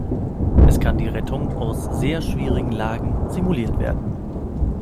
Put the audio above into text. Es kann die Rettung aus sehr schwierigen Lagen simuliert werden.